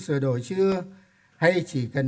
sửa đổi chưa hay chỉ cần